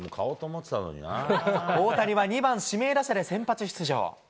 大谷は２番指名打者で先発出場。